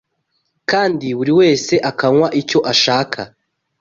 kandi buri wese akanywa icyo ashaka